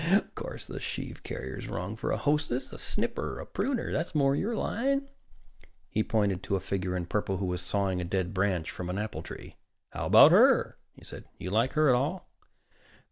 Of course the sheave carrier is wrong for a hostess! A snipper, a pruner that's more your line." He pointed to a figure in purple who was sawing a dead branch from an apple tree. "How about her?" he said. "You like her at all?"